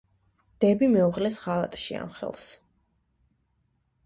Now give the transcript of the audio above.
დები მეუღლეს ღალატში ამხელს.